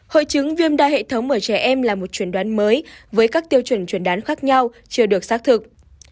hội chứng viêm đa hệ thống ở trẻ em là một truyền đoán mới với các tiêu chuẩn truyền đoán khác nhau chưa được xác thực